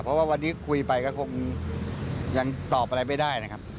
เพราะว่าวันนี้คุยไปก็คงยังตอบอะไรไม่ได้นะครับ